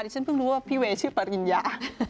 ฉันเพิ่งรู้ว่าพี่เวย์ชื่อปริญญา